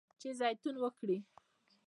چې زیتون وکري.